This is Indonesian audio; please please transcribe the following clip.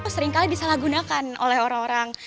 seringkali disalahgunakan oleh orang orang